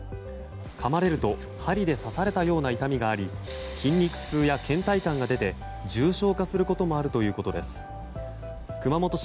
かまれると針で刺されたような痛みがあり筋肉痛や倦怠感が出て重症化するということもあるということです。